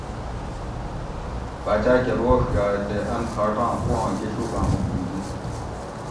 باچاۤ کہ روڛ یائے تے ان کھاٹاں پواں گشوگاں حکم دیت